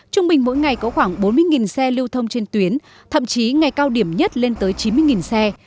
trung bình mỗi ngày có khoảng bốn mươi xe lưu thông trên tuyến thậm chí ngày cao điểm nhất lên tới chín mươi xe